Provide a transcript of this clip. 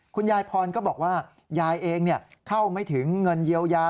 คุณยายพรก็บอกว่ายายเองเข้าไม่ถึงเงินเยียวยา